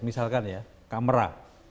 misalkan ya kamera